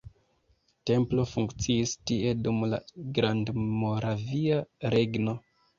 Templo funkciis tie dum la Grandmoravia Regno.